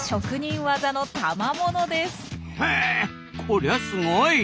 こりゃすごい。